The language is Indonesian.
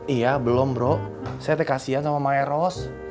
iya belum bro saya tak kasihan sama maeros